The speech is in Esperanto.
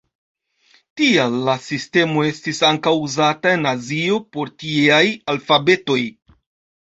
Tial la sistemo estis ankaŭ uzata en azio por tieaj alfabetoj.